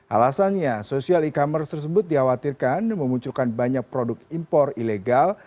alasannya social e commerce tersebut dikhawatirkan memunculkan banyak produk impor ilegal